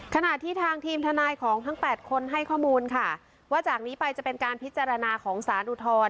ขณะที่ทางทีมทนายของทั้ง๘คนให้ข้อมูลค่ะว่าจากนี้ไปจะเป็นการพิจารณาของสารอุทธรณ์